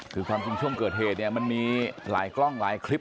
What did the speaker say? คือความจริงช่วงเกิดเหตุเนี่ยมันมีหลายกล้องหลายคลิป